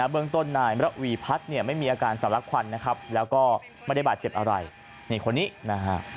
เบื้องต้นนายมรวีพัฒน์ไม่มีอาการสารรักควันแล้วก็ไม่ได้บาดเจ็บอะไรในคนนี้